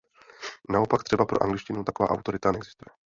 Naopak třeba pro angličtinu taková autorita neexistuje.